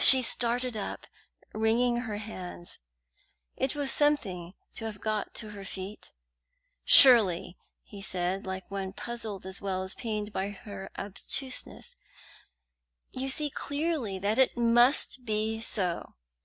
She started up, wringing her hands. It was something to have got her to her feet. "Surely," he said, like one puzzled as well as pained by her obtuseness, "you see clearly that it must be so.